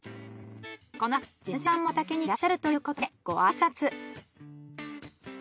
この日は地主さんも畑にいらっしゃるということでご挨拶。